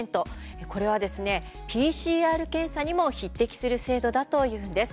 これはＰＣＲ検査にも匹敵する精度だというんです。